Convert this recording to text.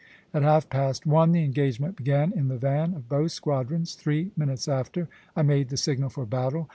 At half past one the engagement began in the van of both squadrons; three minutes after, I made the signal for battle.